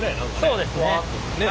そうですね。